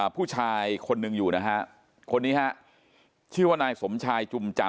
ผู้ชายคนหนึ่งอยู่นะฮะคนนี้ฮะชื่อว่านายสมชายจุมจันท